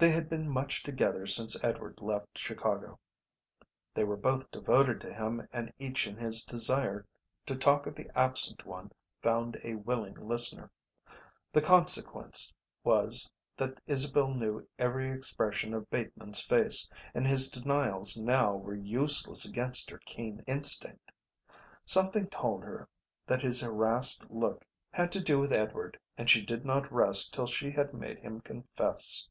They had been much together since Edward left Chicago; they were both devoted to him and each in his desire to talk of the absent one found a willing listener; the consequence was that Isabel knew every expression of Bateman's face, and his denials now were useless against her keen instinct. Something told her that his harassed look had to do with Edward and she did not rest till she had made him confess.